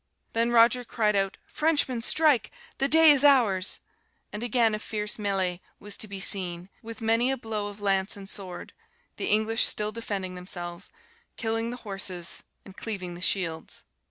Then Roger cried out, 'Frenchmen, strike! the day is ours!' and again a fierce MELEE was to be seen, with many a blow of lance and sword; the English still defending themselves, killing the horses and cleaving the shields.